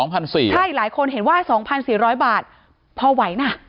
ใช่หลายคนเห็นว่า๒๔๐๐บาทพอไหวนะ